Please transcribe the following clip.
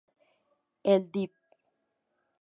El Dep.